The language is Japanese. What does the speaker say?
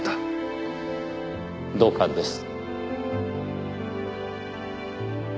同感です。